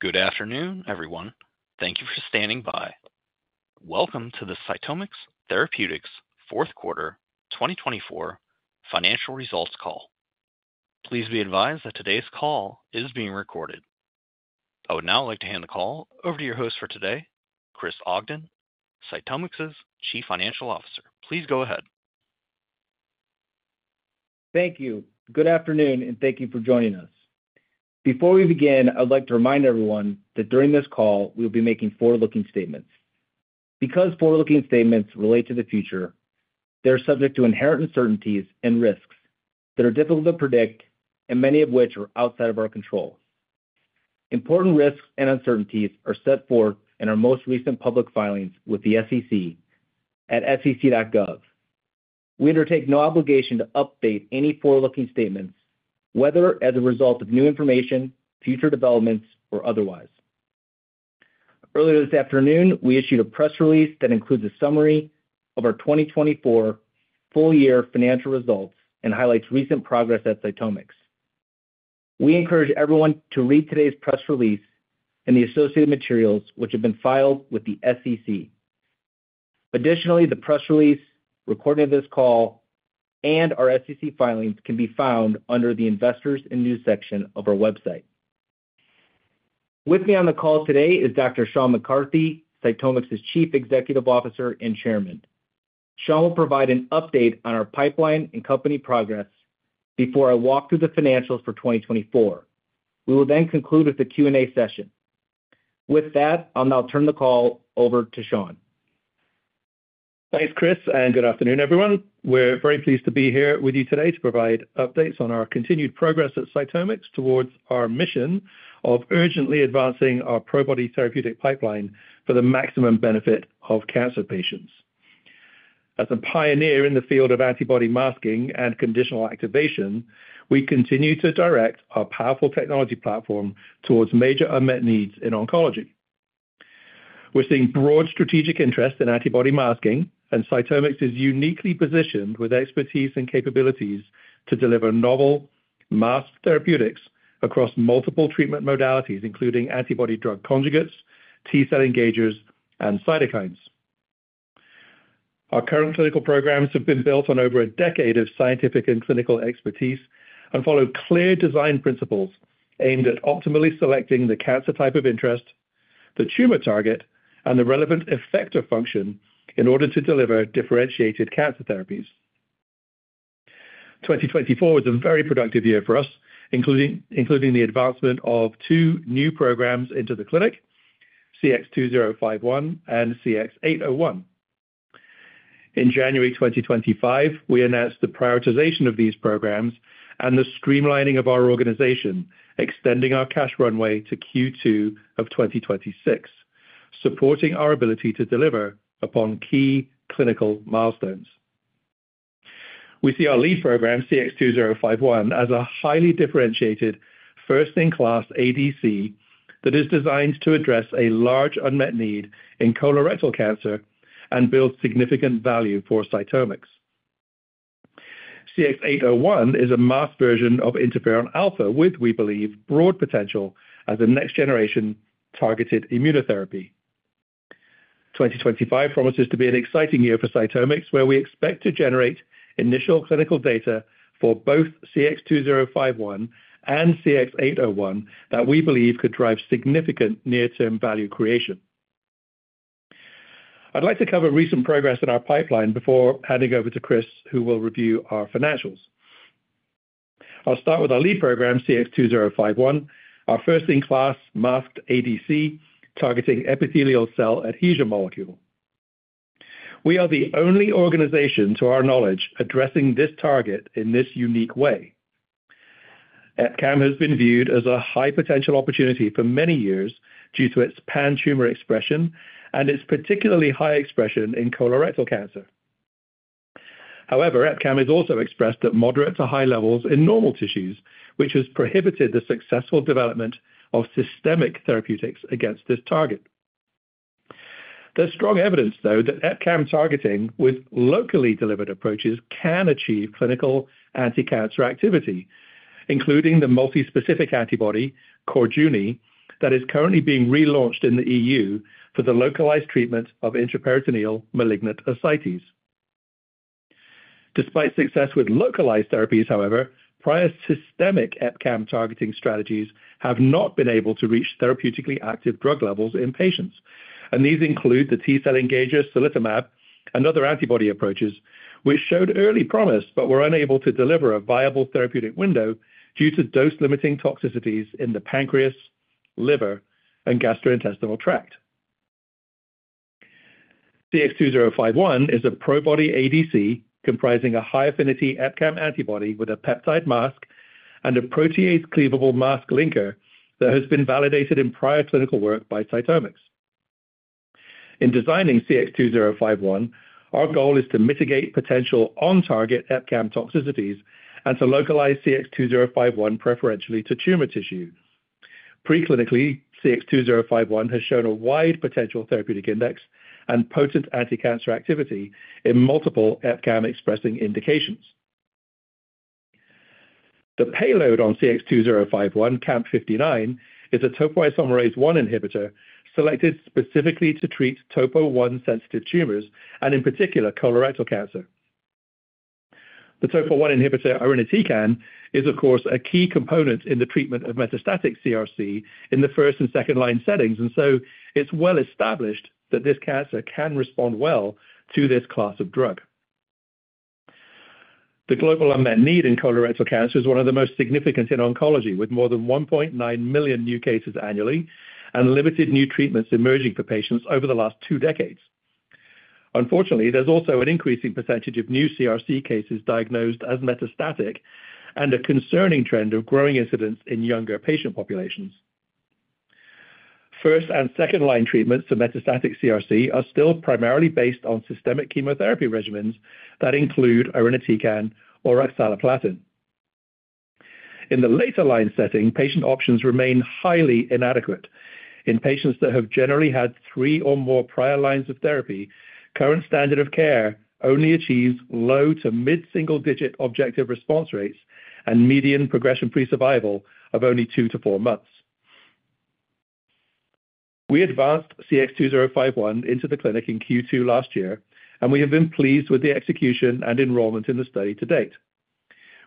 Good afternoon, everyone. Thank you for standing by. Welcome to the CytomX Therapeutics fourth quarter 2024 financial results call. Please be advised that today's call is being recorded. I would now like to hand the call over to your host for today, Chris Ogden, CytomX's Chief Financial Officer. Please go ahead. Thank you. Good afternoon, and thank you for joining us. Before we begin, I would like to remind everyone that during this call, we will be making forward-looking statements. Because forward-looking statements relate to the future, they are subject to inherent uncertainties and risks that are difficult to predict, and many of which are outside of our control. Important risks and uncertainties are set forth in our most recent public filings with the SEC at sec.gov. We undertake no obligation to update any forward-looking statements, whether as a result of new information, future developments, or otherwise. Earlier this afternoon, we issued a press release that includes a summary of our 2024 full-year financial results and highlights recent progress at CytomX. We encourage everyone to read today's press release and the associated materials, which have been filed with the SEC. Additionally, the press release, recording of this call, and our SEC filings can be found under the Investors and News section of our website. With me on the call today is Dr. Sean McCarthy, CytomX's Chief Executive Officer and Chairman. Sean will provide an update on our pipeline and company progress before I walk through the financials for 2024. We will then conclude with a Q&A session. With that, I'll now turn the call over to Sean. Thanks, Chris, and good afternoon, everyone. We're very pleased to be here with you today to provide updates on our continued progress at CytomX towards our mission of urgently advancing our PROBODY therapeutic pipeline for the maximum benefit of cancer patients. As a pioneer in the field of antibody masking and conditional activation, we continue to direct our powerful technology platform towards major unmet needs in oncology. We're seeing broad strategic interest in antibody masking, and CytomX is uniquely positioned with expertise and capabilities to deliver novel masked therapeutics across multiple treatment modalities, including antibody drug conjugates, T-cell engagers, and cytokines. Our current clinical programs have been built on over a decade of scientific and clinical expertise and follow clear design principles aimed at optimally selecting the cancer type of interest, the tumor target, and the relevant effector function in order to deliver differentiated cancer therapies. 2024 was a very productive year for us, including the advancement of two new programs into the clinic, CX-2051 and CX-801. In January 2025, we announced the prioritization of these programs and the streamlining of our organization, extending our cash runway to Q2 of 2026, supporting our ability to deliver upon key clinical milestones. We see our lead program, CX-2051, as a highly differentiated, first-in-class ADC that is designed to address a large unmet need in colorectal cancer and build significant value for CytomX. CX-801 is a masked version Interferon alfa-2b, with, we believe, broad potential as a next-generation targeted immunotherapy. 2025 promises to be an exciting year for CytomX, where we expect to generate initial clinical data for both CX-2051 and CX-801 that we believe could drive significant near-term value creation. I'd like to cover recent progress in our pipeline before handing over to Chris, who will review our financials. I'll start with our lead program, CX-2051, our first-in-class masked ADC targeting epithelial cell adhesion molecule. We are the only organization, to our knowledge, addressing this target in this unique way. EpCAM has been viewed as a high-potential opportunity for many years due to its pan-tumor expression and its particularly high expression in colorectal cancer. However, EpCAM has also expressed at moderate to high levels in normal tissues, which has prohibited the successful development of systemic therapeutics against this target. There's strong evidence, though, that EpCAM targeting with locally delivered approaches can achieve clinical anti-cancer activity, including the multi-specific antibody, Catumaxomab, that is currently being relaunched in the EU for the localized treatment of intraperitoneal malignant ascites. Despite success with localized therapies, however, prior systemic EpCAM targeting strategies have not been able to reach therapeutically active drug levels in patients. These include the T-cell engager, selitamab, and other antibody approaches, which showed early promise but were unable to deliver a viable therapeutic window due to dose-limiting toxicities in the pancreas, liver, and gastrointestinal tract. CX-2051 is a PROBODY ADC comprising a high-affinity EpCAM antibody with a peptide mask and a protease-cleavable mask linker that has been validated in prior clinical work by CytomX. In designing CX-2051, our goal is to mitigate potential on-target EpCAM toxicities and to localize CX-2051 preferentially to tumor tissue. Pre-clinically, CX-2051 has shown a wide potential therapeutic index and potent anti-cancer activity in multiple EpCAM expressing indications. The payload on CX-2051, CAMP59, is a topoisomerase I inhibitor selected specifically to treat topo-I sensitive tumors and, in particular, colorectal cancer. The topo-I inhibitor, irinotecan, is, of course, a key component in the treatment of metastatic CRC in the first and second-line settings, and so it's well established that this cancer can respond well to this class of drug. The global unmet need in colorectal cancer is one of the most significant in oncology, with more than 1.9 million new cases annually and limited new treatments emerging for patients over the last two decades. Unfortunately, there's also an increasing percentage of new CRC cases diagnosed as metastatic and a concerning trend of growing incidence in younger patient populations. First and second-line treatments for metastatic CRC are still primarily based on systemic chemotherapy regimens that include irinotecan or oxaliplatin. In the later-line setting, patient options remain highly inadequate. In patients that have generally had three or more prior lines of therapy, current standard of care only achieves low to mid-single-digit objective response rates and median progression-free survival of only two to four months. We advanced CX-2051 into the clinic in Q2 last year, and we have been pleased with the execution and enrollment in the study to date.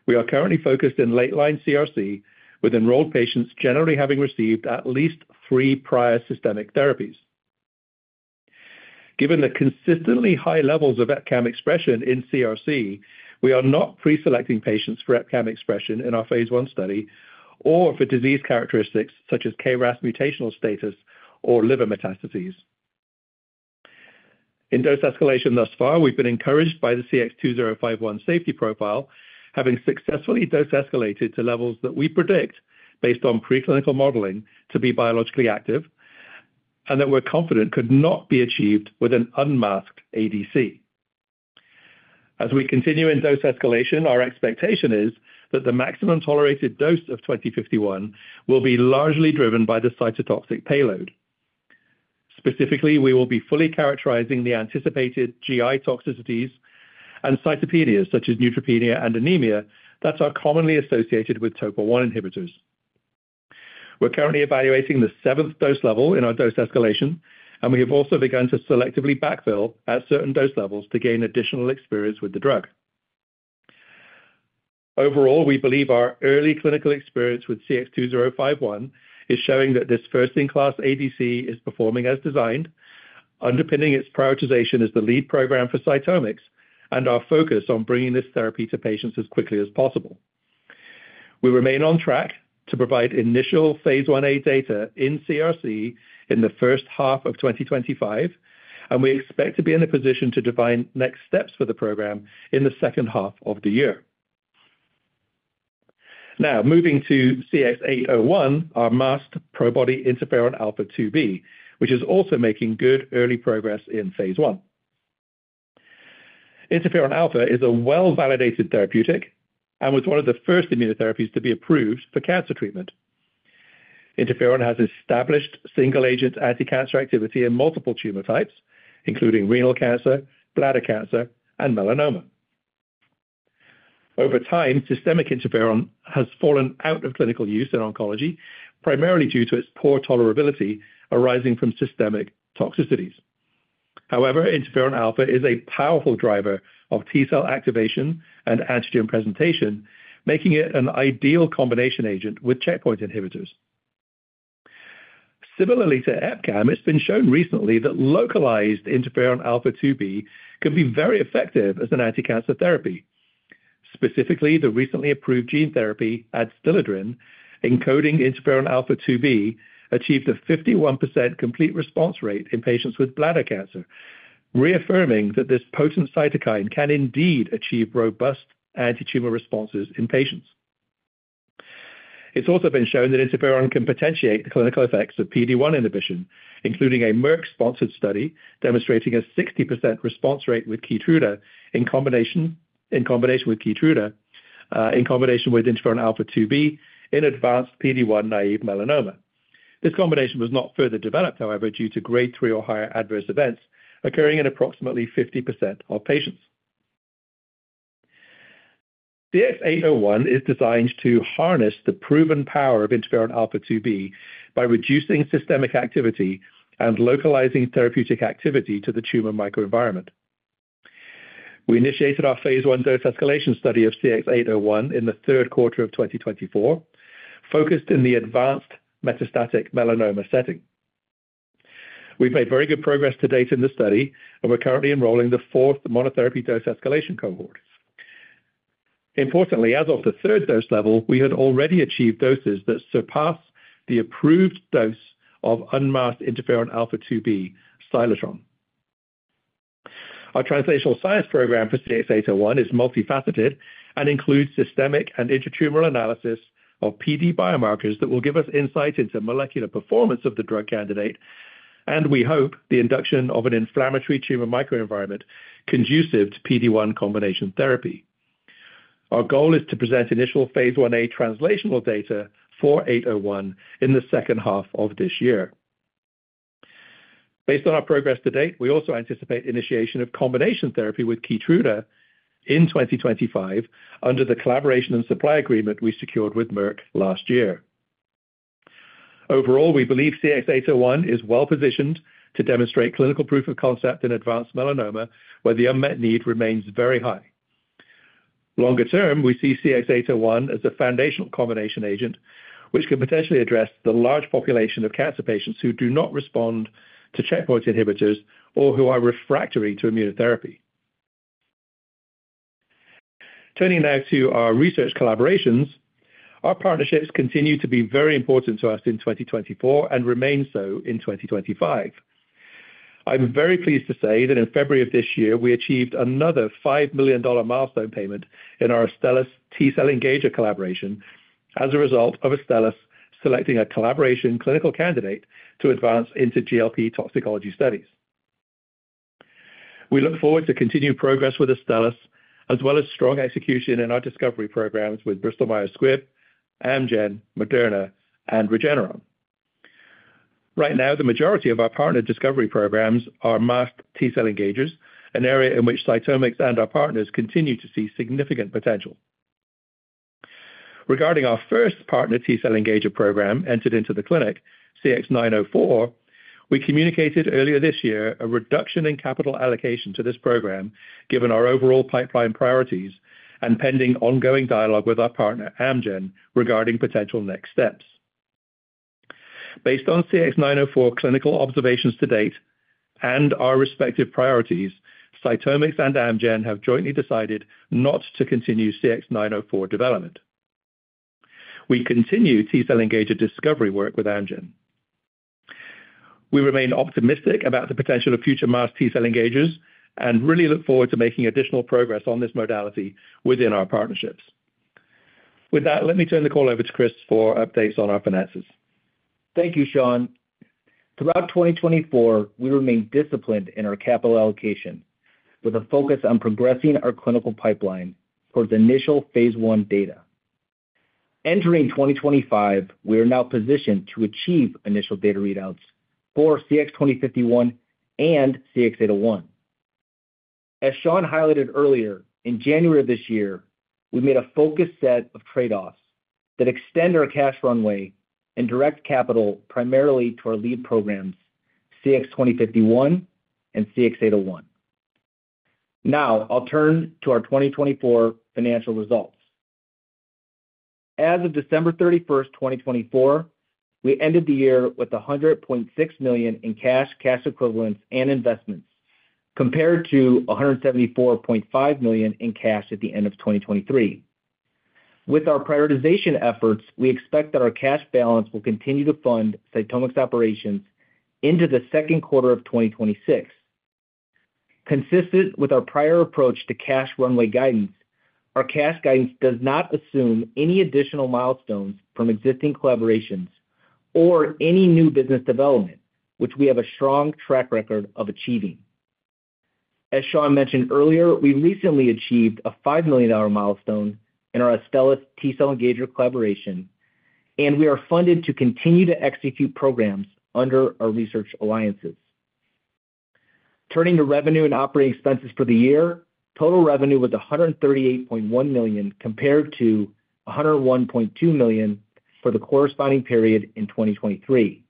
We are currently focused in late-line CRC, with enrolled patients generally having received at least three prior systemic therapies. Given the consistently high levels of EpCAM expression in CRC, we are not pre-selecting patients for EpCAM expression in our phase one study or for disease characteristics such as KRAS mutational status or liver metastases. In dose escalation thus far, we've been encouraged by the CX-2051 safety profile, having successfully dose escalated to levels that we predict based on pre-clinical modeling to be biologically active and that we're confident could not be achieved with an unmasked ADC. As we continue in dose escalation, our expectation is that the maximum tolerated dose of 2051 will be largely driven by the cytotoxic payload. Specifically, we will be fully characterizing the anticipated GI toxicities and cytopenias such as neutropenia and anemia that are commonly associated with topo-I inhibitors. We're currently evaluating the seventh dose level in our dose escalation, and we have also begun to selectively backfill at certain dose levels to gain additional experience with the drug. Overall, we believe our early clinical experience with CX-2051 is showing that this first-in-class ADC is performing as designed, underpinning its prioritization as the lead program for CytomX and our focus on bringing this therapy to patients as quickly as possible. We remain on track to provide initial phase one-a data in CRC in the first half of 2025, and we expect to be in a position to define next steps for the program in the second half of the year. Now, moving to CX-801, our masked PROBODY interferon alfa-2b, which is also making good early progress in phase one. Interferon alfa is a well-validated therapeutic and was one of the first immunotherapies to be approved for cancer treatment. Interferon has established single-agent anti-cancer activity in multiple tumor types, including renal cancer, bladder cancer, and melanoma. Over time, systemic interferon has fallen out of clinical use in oncology, primarily due to its poor tolerability arising from systemic toxicities. However, interferon alfa is a powerful driver of T-cell activation and antigen presentation, making it an ideal combination agent with checkpoint inhibitors. Similarly to EpCAM, it's been shown recently that localized interferon alfa-2b can be very effective as an anti-cancer therapy. Specifically, the recently approved gene therapy Adstiladrin, encoding interferon alfa-2b, achieved a 51% complete response rate in patients with bladder cancer, reaffirming that this potent cytokine can indeed achieve robust anti-tumor responses in patients. It's also been shown that interferon can potentiate the clinical effects of PD-1 inhibition, including a Merck-sponsored study demonstrating a 60% response rate with Keytruda in combination with interferon alfa-2b in advanced PD-1 naive melanoma. This combination was not further developed, however, due to grade 3 or higher adverse events occurring in approximately 50% of patients. CX-801 is designed to harness the proven power of interferon alfa-2b by reducing systemic activity and localizing therapeutic activity to the tumor microenvironment. We initiated our phase one dose escalation study of CX-801 in the third quarter of 2024, focused in the advanced metastatic melanoma setting. We've made very good progress to date in the study, and we're currently enrolling the fourth monotherapy dose escalation cohort. Importantly, as of the third dose level, we had already achieved doses that surpass the approved dose of unmasked interferon alfa-2b, Intron A. Our translational science program for CX-801 is multifaceted and includes systemic and intra-tumoral analysis of PD biomarkers that will give us insight into molecular performance of the drug candidate, and we hope the induction of an inflammatory tumor microenvironment conducive to PD-1 combination therapy. Our goal is to present initial phase I-a translational data for 801 in the second half of this year. Based on our progress to date, we also anticipate initiation of combination therapy with Keytruda in 2025 under the collaboration and supply agreement we secured with Merck last year. Overall, we believe CX-801 is well-positioned to demonstrate clinical proof of concept in advanced melanoma where the unmet need remains very high. Longer term, we see CX-801 as a foundational combination agent, which can potentially address the large population of cancer patients who do not respond to checkpoint inhibitors or who are refractory to immunotherapy. Turning now to our research collaborations, our partnerships continue to be very important to us in 2024 and remain so in 2025. I'm very pleased to say that in February of this year, we achieved another $5 million milestone payment in our Astellas T-cell engager collaboration as a result of Astellas selecting a collaboration clinical candidate to advance into GLP toxicology studies. We look forward to continued progress with Astellas, as well as strong execution in our discovery programs with Bristol Myers Squibb, Amgen, Moderna, and Regeneron. Right now, the majority of our partner discovery programs are masked T-cell engagers, an area in which CytomX and our partners continue to see significant potential. Regarding our first partner T-cell engager program entered into the clinic, CX-904, we communicated earlier this year a reduction in capital allocation to this program, given our overall pipeline priorities and pending ongoing dialogue with our partner, Amgen, regarding potential next steps. Based on CX-904 clinical observations to date and our respective priorities, CytomX and Amgen have jointly decided not to continue CX-904 development. We continue T-cell engager discovery work with Amgen. We remain optimistic about the potential of future masked T-cell engagers and really look forward to making additional progress on this modality within our partnerships. With that, let me turn the call over to Chris for updates on our finances. Thank you, Sean. Throughout 2024, we remain disciplined in our capital allocation with a focus on progressing our clinical pipeline towards initial phase one data. Entering 2025, we are now positioned to achieve initial data readouts for CX-2051 and CX-801. As Sean highlighted earlier, in January of this year, we made a focused set of trade-offs that extend our cash runway and direct capital primarily to our lead programs, CX-2051 and CX-801. Now, I'll turn to our 2024 financial results. As of December 31, 2024, we ended the year with $100.6 million in cash, cash equivalents, and investments, compared to $174.5 million in cash at the end of 2023. With our prioritization efforts, we expect that our cash balance will continue to fund CytomX operations into the second quarter of 2026. Consistent with our prior approach to cash runway guidance, our cash guidance does not assume any additional milestones from existing collaborations or any new business development, which we have a strong track record of achieving. As Sean mentioned earlier, we recently achieved a $5 million milestone in our Astellas T-cell engager collaboration, and we are funded to continue to execute programs under our research alliances. Turning to revenue and operating expenses for the year, total revenue was $138.1 million compared to $101.2 million for the corresponding period in 2023.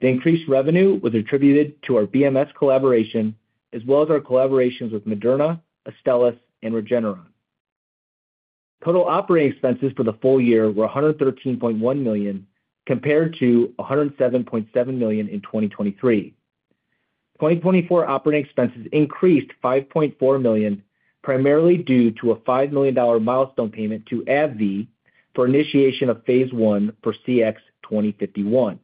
The increased revenue was attributed to our Bristol Myers Squibb collaboration, as well as our collaborations with Moderna, Astellas, and Regeneron. Total operating expenses for the full year were $113.1 million compared to $107.7 million in 2023. 2024 operating expenses increased $5.4 million, primarily due to a $5 million milestone payment to AbbVie for initiation of phase one for CX-2051.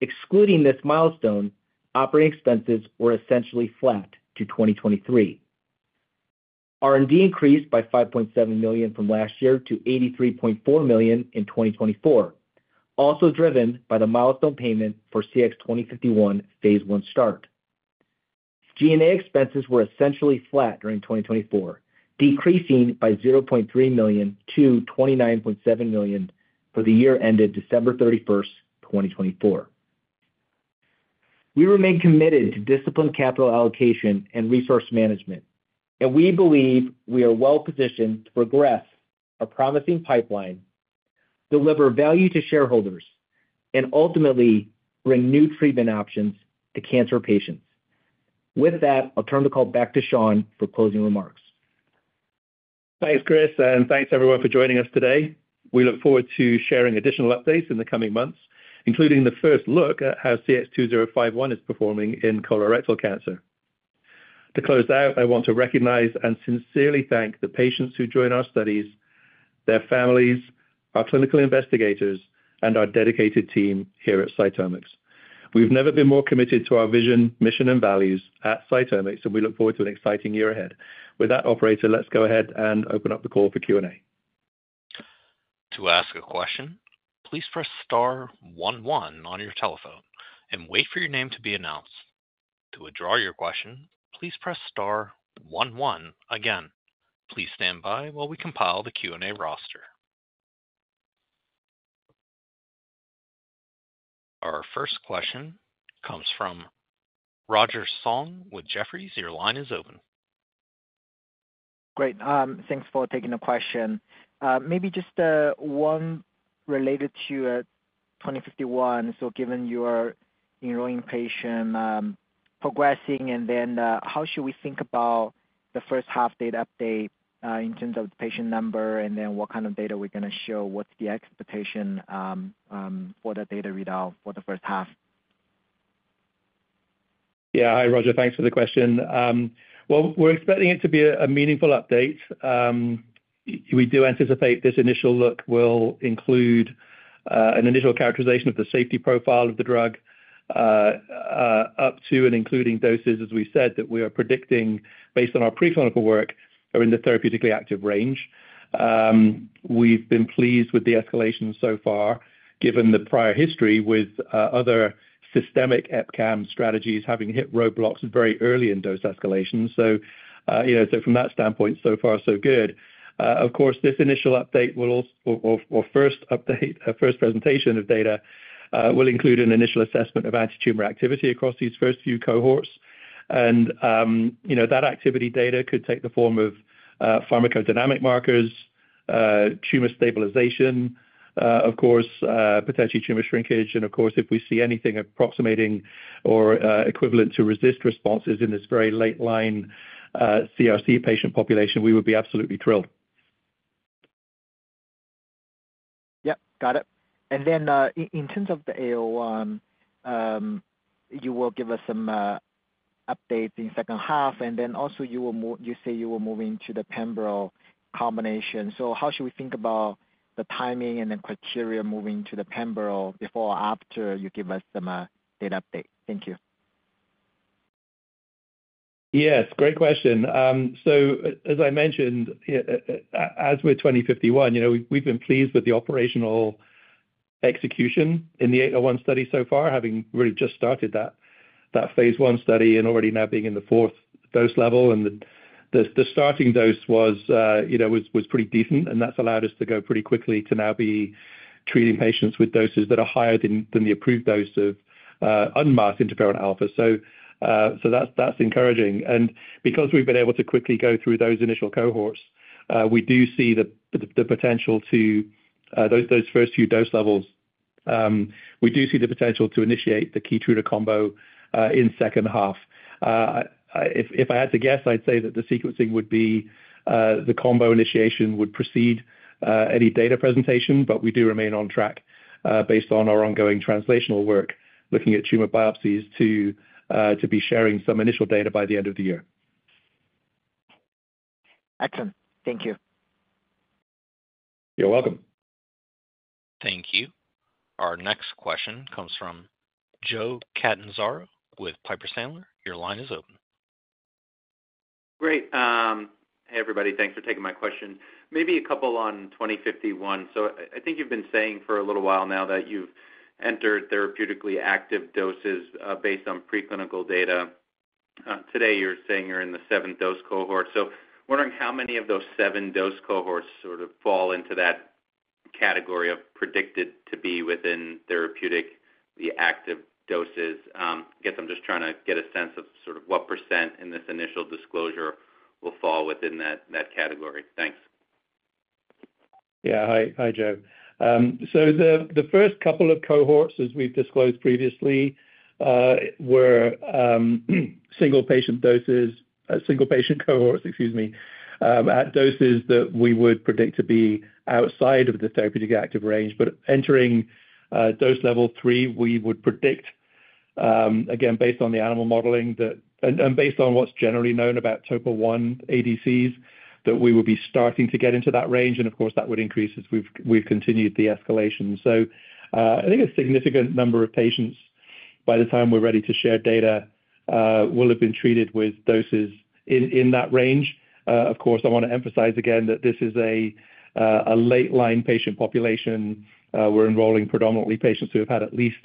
Excluding this milestone, operating expenses were essentially flat to 2023. R&D increased by $5.7 million from last year to $83.4 million in 2024, also driven by the milestone payment for CX-2051 phase one start. G&A expenses were essentially flat during 2024, decreasing by $0.3 million to $29.7 million for the year ended December 31, 2024. We remain committed to disciplined capital allocation and resource management, and we believe we are well-positioned to progress our promising pipeline, deliver value to shareholders, and ultimately bring new treatment options to cancer patients. With that, I'll turn the call back to Sean for closing remarks. Thanks, Chris, and thanks everyone for joining us today. We look forward to sharing additional updates in the coming months, including the first look at how CX-2051 is performing in colorectal cancer. To close out, I want to recognize and sincerely thank the patients who join our studies, their families, our clinical investigators, and our dedicated team here at CytomX. We've never been more committed to our vision, mission, and values at CytomX, and we look forward to an exciting year ahead. With that, operator, let's go ahead and open up the call for Q&A. To ask a question, please press star one one on your telephone and wait for your name to be announced. To withdraw your question, please press star one one again. Please stand by while we compile the Q&A roster. Our first question comes from Roger Song with Jefferies. Your line is open. Great. Thanks for taking the question. Maybe just one related to 2051. Given your enrolling patient progressing, how should we think about the first half data update in terms of the patient number, and what kind of data we're going to show? What's the expectation for the data readout for the first half? Yeah. Hi, Roger. Thanks for the question. We're expecting it to be a meaningful update. We do anticipate this initial look will include an initial characterization of the safety profile of the drug up to and including doses, as we said, that we are predicting based on our pre-clinical work are in the therapeutically active range. We've been pleased with the escalation so far, given the prior history with other systemic EpCAM strategies having hit roadblocks very early in dose escalation. From that standpoint, so far, so good. Of course, this initial update will also or first update, first presentation of data will include an initial assessment of anti-tumor activity across these first few cohorts. That activity data could take the form of pharmacodynamic markers, tumor stabilization, of course, potentially tumor shrinkage. Of course, if we see anything approximating or equivalent to resist responses in this very late line CRC patient population, we would be absolutely thrilled. Yep. Got it. In terms of the 801, you will give us some updates in the second half. Also, you say you will move into the pembrol combination. How should we think about the timing and the criteria moving to the pembrol before or after you give us some data update? Thank you. Yes. Great question. As I mentioned, as with 2051, we've been pleased with the operational execution in the 801 study so far, having really just started that phase one study and already now being in the fourth dose level. The starting dose was pretty decent, and that's allowed us to go pretty quickly to now be treating patients with doses that are higher than the approved dose of unmasked interferon alfa. That's encouraging. Because we've been able to quickly go through those initial cohorts, we do see the potential to those first few dose levels. We do see the potential to initiate the Keytruda combo in the second half. If I had to guess, I'd say that the sequencing would be the combo initiation would precede any data presentation, but we do remain on track based on our ongoing translational work looking at tumor biopsies to be sharing some initial data by the end of the year. Excellent. Thank you. You're welcome. Thank you. Our next question comes from Joe Catanzaro with Piper Sandler. Your line is open. Great. Hey, everybody. Thanks for taking my question. Maybe a couple on 2051. I think you've been saying for a little while now that you've entered therapeutically active doses based on preclinical data. Today, you're saying you're in the seventh dose cohort. Wondering how many of those seven dose cohorts sort of fall into that category of predicted to be within therapeutically active doses. I guess I'm just trying to get a sense of what % in this initial disclosure will fall within that category. Thanks. Yeah. Hi, Joe. The first couple of cohorts, as we've disclosed previously, were single patient doses, single patient cohorts, excuse me, at doses that we would predict to be outside of the therapeutic active range. Entering dose level three, we would predict, again, based on the animal modeling and based on what's generally known about topo-1 ADCs, that we would be starting to get into that range. Of course, that would increase as we've continued the escalation. I think a significant number of patients, by the time we're ready to share data, will have been treated with doses in that range. Of course, I want to emphasize again that this is a late line patient population. We're enrolling predominantly patients who have had at least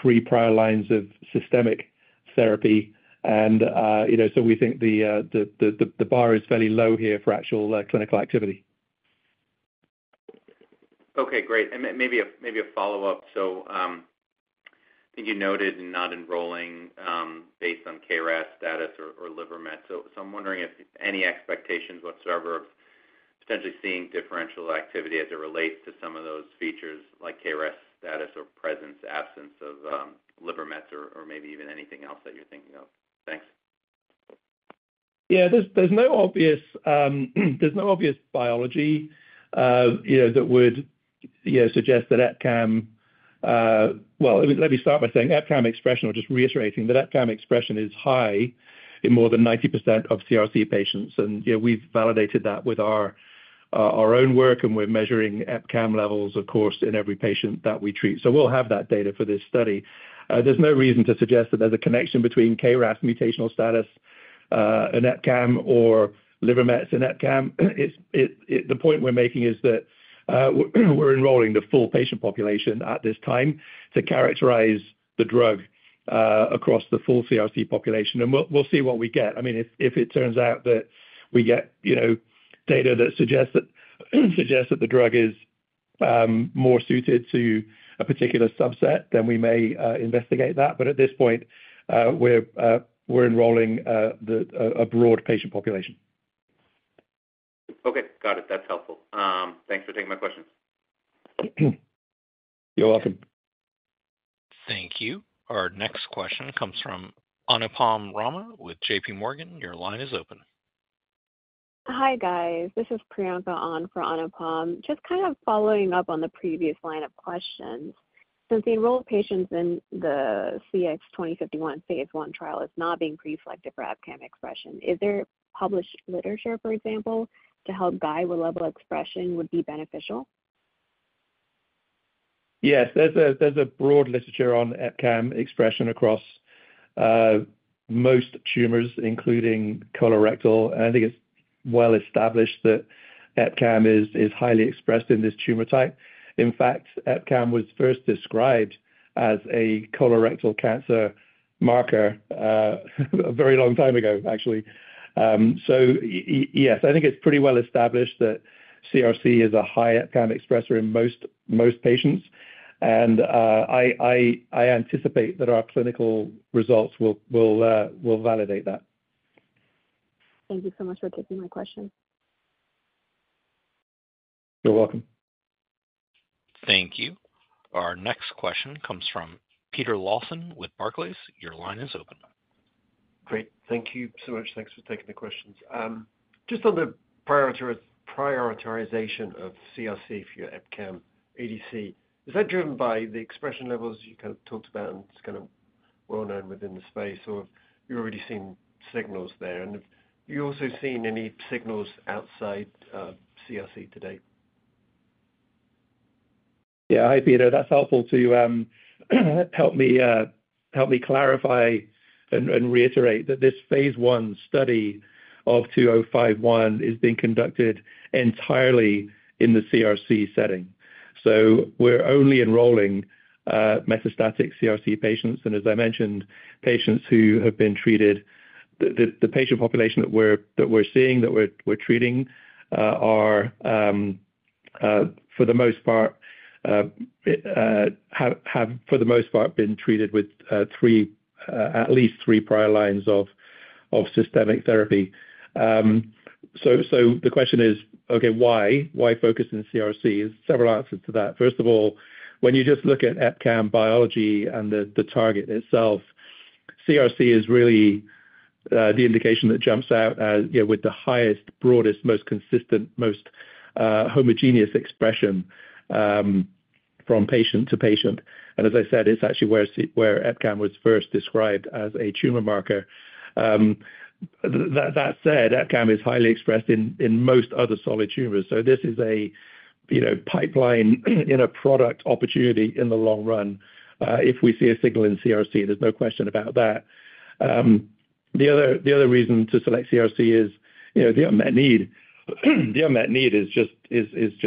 three prior lines of systemic therapy. We think the bar is fairly low here for actual clinical activity. Okay. Great. Maybe a follow-up. I think you noted not enrolling based on KRAS status or liver mets. I'm wondering if any expectations whatsoever of potentially seeing differential activity as it relates to some of those features like KRAS status or presence, absence of liver mets or maybe even anything else that you're thinking of. Thanks. Yeah. There's no obvious biology that would suggest that EpCAM—well, let me start by saying EpCAM expression, or just reiterating that EpCAM expression is high in more than 90% of CRC patients. We've validated that with our own work, and we're measuring EpCAM levels, of course, in every patient that we treat. We'll have that data for this study. There's no reason to suggest that there's a connection between KRAS mutational status and EpCAM or liver mets and EpCAM. The point we're making is that we're enrolling the full patient population at this time to characterize the drug across the full CRC population. We'll see what we get. I mean, if it turns out that we get data that suggests that the drug is more suited to a particular subset, then we may investigate that. At this point, we're enrolling a broad patient population. Okay. Got it. That's helpful. Thanks for taking my questions. You're welcome. Thank you. Our next question comes from Anupam Rama with J.P. Morgan. Your line is open. Hi, guys. This is Priyanka on for Anupam. Just kind of following up on the previous line of questions. Since the enrolled patients in the CX-2051 phase one trial is not being preselected for EpCAM expression, is there published literature, for example, to help guide what level of expression would be beneficial? Yes. There's a broad literature on EpCAM expression across most tumors, including colorectal. I think it's well established that EpCAM is highly expressed in this tumor type. In fact, EpCAM was first described as a colorectal cancer marker a very long time ago, actually. Yes, I think it's pretty well established that CRC is a high EpCAM expressor in most patients. I anticipate that our clinical results will validate that. Thank you so much for taking my question. You're welcome. Thank you. Our next question comes from Peter Lawson with Barclays. Your line is open. Great. Thank you so much. Thanks for taking the questions. Just on the prioritization of CRC for your EpCAM ADC, is that driven by the expression levels you kind of talked about and it's kind of well known within the space, or have you already seen signals there? And have you also seen any signals outside CRC today? Yeah. Hi, Peter. That's helpful to help me clarify and reiterate that this phase one study of 2051 is being conducted entirely in the CRC setting. We are only enrolling metastatic CRC patients. As I mentioned, patients who have been treated, the patient population that we're seeing, that we're treating, for the most part, have for the most part been treated with at least three prior lines of systemic therapy. The question is, okay, why focus on CRC? Several answers to that. First of all, when you just look at EpCAM biology and the target itself, CRC is really the indication that jumps out with the highest, broadest, most consistent, most homogeneous expression from patient to patient. As I said, it's actually where EpCAM was first described as a tumor marker. That said, EpCAM is highly expressed in most other solid tumors. This is a pipeline in a product opportunity in the long run if we see a signal in CRC. There's no question about that. The other reason to select CRC is the unmet need. The unmet need is just huge.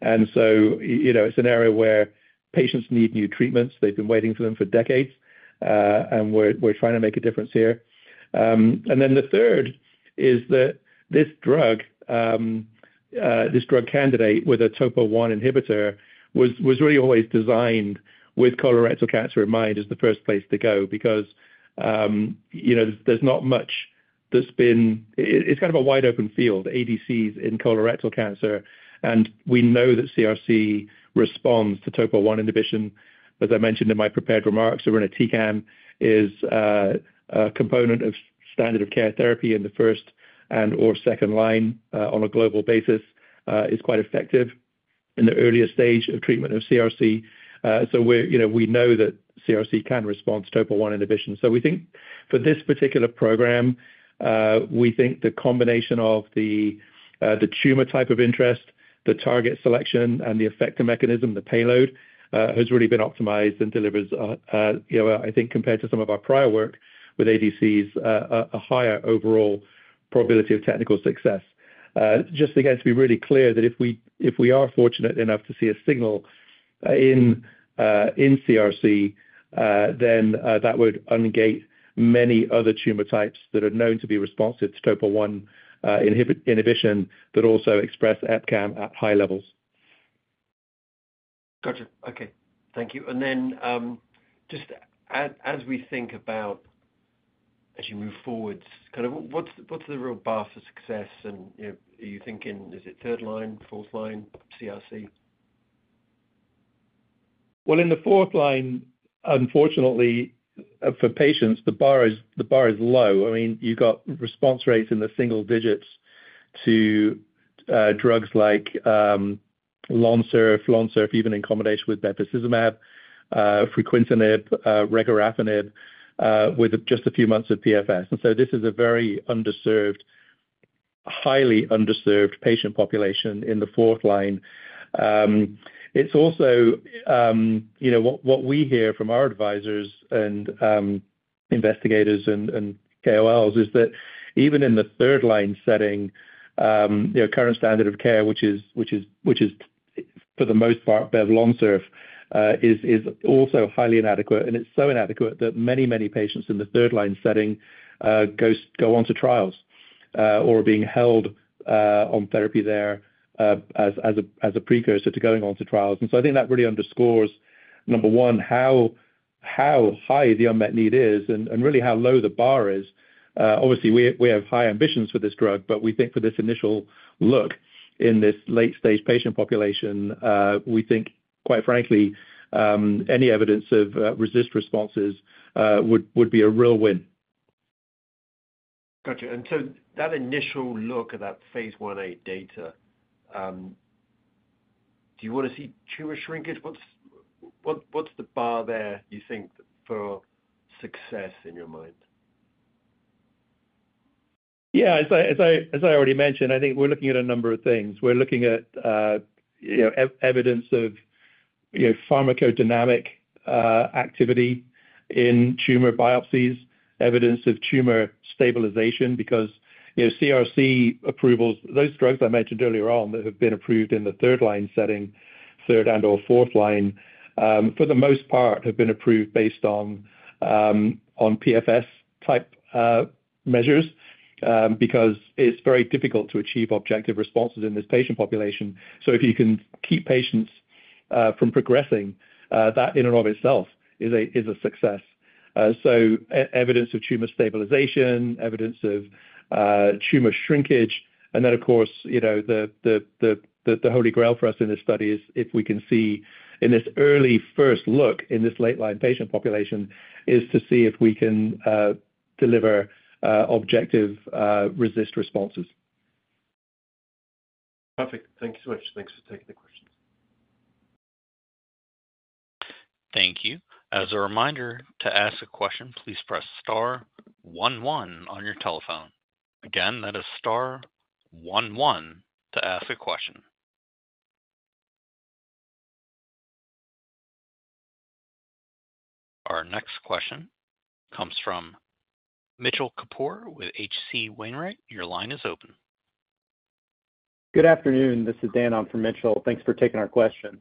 It is an area where patients need new treatments. They've been waiting for them for decades, and we're trying to make a difference here. The third is that this drug, this drug candidate with a topo-1 inhibitor, was really always designed with colorectal cancer in mind as the first place to go because there's not much that's been, it's kind of a wide-open field, ADCs in colorectal cancer. We know that CRC responds to topo-1 inhibition. As I mentioned in my prepared remarks, irinotecan is a component of standard of care therapy in the first and/or second line on a global basis. It's quite effective in the earliest stage of treatment of CRC. We know that CRC can respond to topo-1 inhibition. We think for this particular program, we think the combination of the tumor type of interest, the target selection, and the effector mechanism, the payload, has really been optimized and delivers, I think, compared to some of our prior work with ADCs, a higher overall probability of technical success. Just again, to be really clear that if we are fortunate enough to see a signal in CRC, then that would ungate many other tumor types that are known to be responsive to topo-1 inhibition that also express EpCAM at high levels. Gotcha. Okay. Thank you. As we think about as you move forwards, kind of what's the real bar for success? Are you thinking, is it third line, fourth line, CRC? In the fourth line, unfortunately, for patients, the bar is low. I mean, you've got response rates in the single digits to drugs like Lonsurf, Lonsurf, even in combination with bevacizumab, fruquintinib, regorafenib, with just a few months of PFS. This is a very underserved, highly underserved patient population in the fourth line. What we hear from our advisors and investigators and KOLs is that even in the third line setting, current standard of care, which is for the most part beva Lonsurf, is also highly inadequate. It's so inadequate that many, many patients in the third line setting go on to trials or are being held on therapy there as a precursor to going on to trials. I think that really underscores, number one, how high the unmet need is and really how low the bar is. Obviously, we have high ambitions for this drug, but we think for this initial look in this late-stage patient population, we think, quite frankly, any evidence of resist responses would be a real win. Gotcha. That initial look at that phase I-A data, do you want to see tumor shrinkage? What's the bar there, you think, for success in your mind? Yeah. As I already mentioned, I think we're looking at a number of things. We're looking at evidence of pharmacodynamic activity in tumor biopsies, evidence of tumor stabilization because CRC approvals, those drugs I mentioned earlier on that have been approved in the third line setting, third and/or fourth line, for the most part, have been approved based on PFS-type measures because it's very difficult to achieve objective responses in this patient population. If you can keep patients from progressing, that in and of itself is a success. Evidence of tumor stabilization, evidence of tumor shrinkage. Of course, the holy grail for us in this study is if we can see in this early first look in this late line patient population if we can deliver objective resist responses. Perfect. Thank you so much. Thanks for taking the questions. Thank you. As a reminder, to ask a question, please press star 11 on your telephone. Again, that is star 11 to ask a question. Our next question comes from Mitchell Kapoor with HC Wainwright. Your line is open. Good afternoon. This is Dan. I'm from Mitchell. Thanks for taking our questions.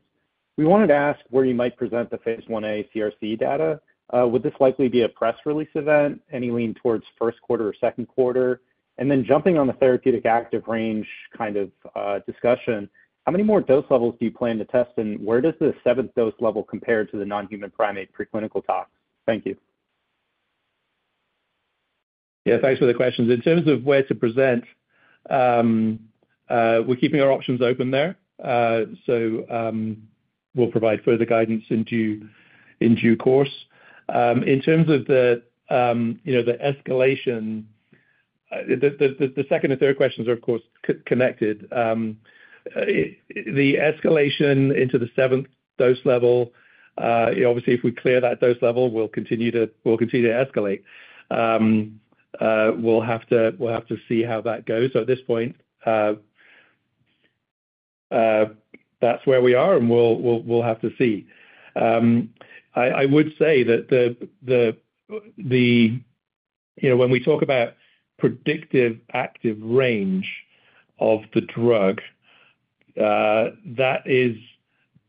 We wanted to ask where you might present the phase one-aid CRC data. Would this likely be a press release event? Any lean towards first quarter or second quarter? Jumping on the therapeutic active range kind of discussion, how many more dose levels do you plan to test? Where does the seventh dose level compare to the non-human primate preclinical tox? Thank you. Yeah. Thanks for the questions. In terms of where to present, we're keeping our options open there. We'll provide further guidance in due course. In terms of the escalation, the second and third questions are, of course, connected. The escalation into the seventh dose level, obviously, if we clear that dose level, we'll continue to escalate. We'll have to see how that goes. At this point, that's where we are, and we'll have to see. I would say that when we talk about predictive active range of the drug, that is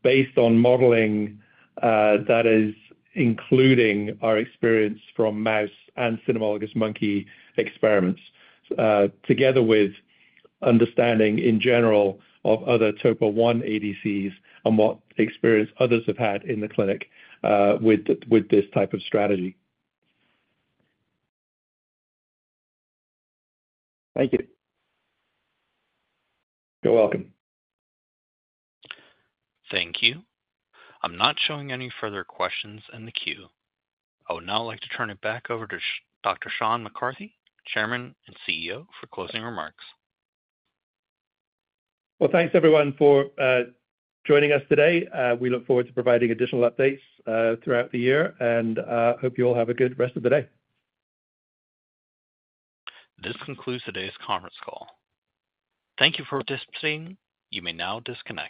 based on modeling that is including our experience from mouse and cynomolgus monkey experiments together with understanding in general of other topo-1 ADCs and what experience others have had in the clinic with this type of strategy. Thank you. You're welcome. Thank you. I'm not showing any further questions in the queue. I would now like to turn it back over to Dr. Sean McCarthy, Chairman and CEO, for closing remarks. Thanks, everyone, for joining us today. We look forward to providing additional updates throughout the year and hope you all have a good rest of the day. This concludes today's conference call. Thank you for participating. You may now disconnect.